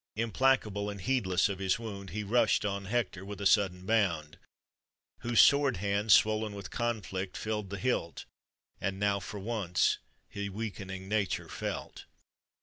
Implacable, and heedless of his wound, He rushed on Hector with a sudden bound, Whose sword hand, swol'n with conflict, filled the hilt, And now, for once, he weakening Nature felt.